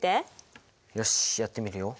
よしやってみるよ。